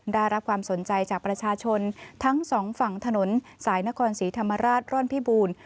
ได้รับความสนใจจากประชาชนทั้งสองฝั่งถนนสายนครศรีธรรมราชร่อนพิบูรณ์